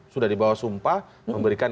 sudah dibawa sumpah memberikan